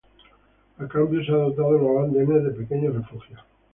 A cambio se ha dotado los andenes de pequeños refugios.